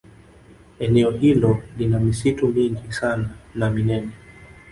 Eneo hilo lina misitu mingi sana na minene